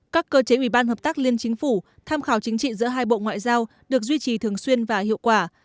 các cơ chế ủy ban hợp tác liên chính phủ tham khảo chính trị giữa hai bộ ngoại giao được duy trì thường xuyên và hiệu quả